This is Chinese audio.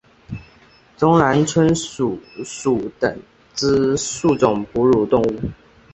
中南树鼠属等之数种哺乳动物。